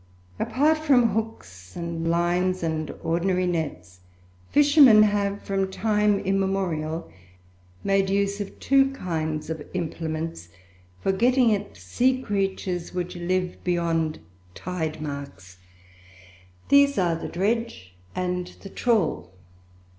Apart from hooks, and lines, and ordinary nets, fishermen have, from time immemorial, made use of two kinds of implements for getting at sea creatures which live beyond tide marks these are the "dredge" and the "trawl."